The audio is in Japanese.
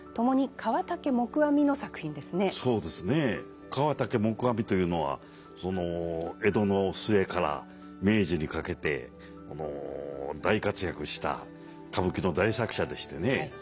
河竹黙阿弥というのは江戸の末から明治にかけて大活躍した歌舞伎の大作者でしてね。